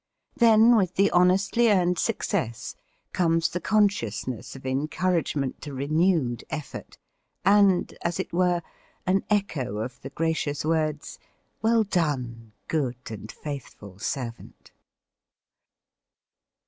Then with the honestly earned success comes the consciousness of encouragement to renewed effort, and, as it were, an echo of the gracious words, "Well done, good and faithful servant."